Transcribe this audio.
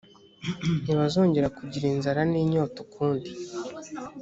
ntibazongera kugira inzara n inyota ukundi